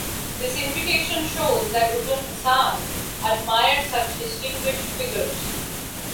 This invitation shows that Uzun Hasan admired such distinguished figures.